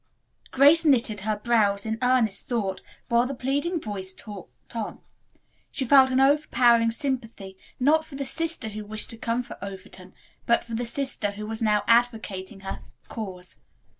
Grace knitted her brows in earnest thought, while the pleading voice talked on. She felt an overpowering sympathy, not for the sister who wished to come to Overton, but for the sister who was now advocating her cause.